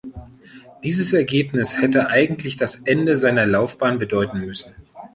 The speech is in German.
Dieses Ergebnis hätte eigentlich das Ende seiner Laufbahn bedeuten müssen.